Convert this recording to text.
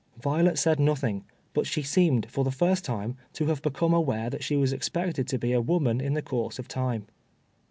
Violet said nothing; but she seemed, for the first time, to have become aware that she was expected to be a woman in the course of time.